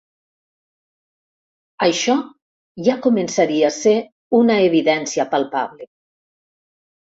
Això ja començaria a ser una evidència palpable.